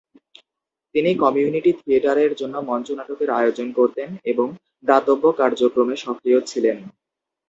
তিনি কমিউনিটি থিয়েটারের জন্য মঞ্চনাটকের আয়োজন করতেন এবং দাতব্য কার্যক্রমে সক্রিয় ছিলেন।